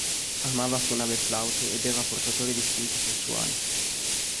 Amava suonare il flauto ed era portatore di istinti sessuali.